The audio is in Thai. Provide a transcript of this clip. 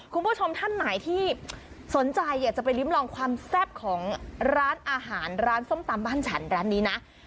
คุณผู้ชมท่านไหนที่สนใจอยากจะไปริ้มลองความแซ่บของร้านอาหารร้านส้มตำบ้านฉันร้านนี้นะ